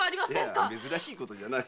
いや珍しいことじゃない。